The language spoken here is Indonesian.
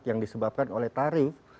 yang disebabkan oleh tarif